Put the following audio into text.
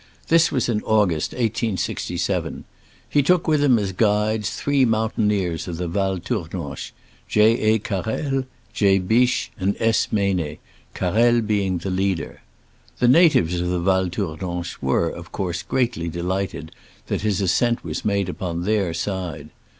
This was in August, 1867. He took with him as guides three mountaineers of the Val Tournanche — ^J. A. Carrel, J. Bich and S. Meynet, Carrel being the leader. The natives of Val Tournanche were, of course, greatly delighted that his ascent was made upon their side.